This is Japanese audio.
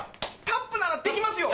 タップならできますよ。